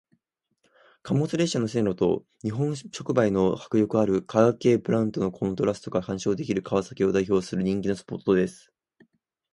貨物列車の線路と日本触媒の迫力ある化学系のプラントのコントラストが鑑賞できる川崎を代表する人気のスポットです。